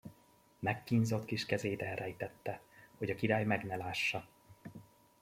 Megkínzott kis kezét elrejtette, hogy a király meg ne lássa.